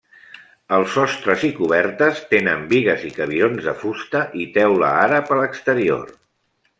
Els sostres i cobertes tenen bigues i cabirons de fusta i teula àrab a l'exterior.